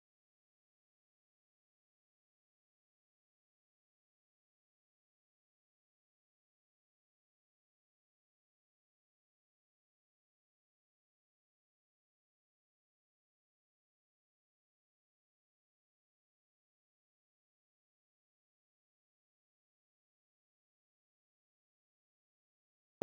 siapa yang nyerah